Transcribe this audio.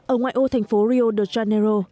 ở ngoài ô thành phố rio de janeiro